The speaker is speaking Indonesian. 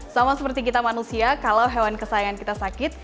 sama seperti kita manusia kalau hewan kesayangan kita sakit